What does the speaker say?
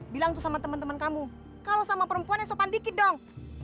bilang tuh sama temen temen kamu kalau sama perempuannya sopan dikit dong